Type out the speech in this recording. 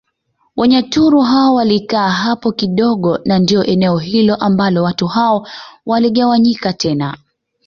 Wanyaturu hao walikaa hapo kidogo na ndio eneo hilo ambalo watu hao waligawanyika tena